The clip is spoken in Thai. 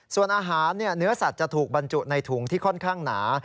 ส่วนอาหารเนื้อสัตว์จะถูกบรรจุในถุงที่ค่อนข้างหนา